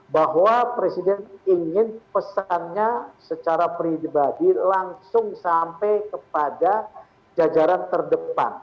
bahwa presiden ingin pesannya secara pribadi langsung sampai kepada jajaran terdepan